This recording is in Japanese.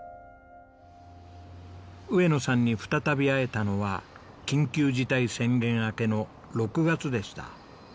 上野さんに再び会えたのは緊急事態宣言明けの６月でした。